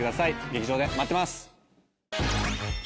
劇場で待ってます。